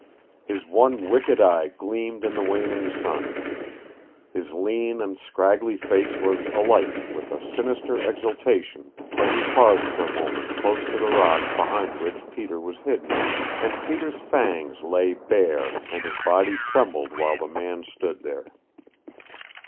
His one wicked eye gleamed in the waning sun. His lean and scraggly face was alight with a sinister exultation as he paused for a moment close to the rock behind which Peter was hidden, and Peter's fangs lay bare and his body trembled while the man stood there.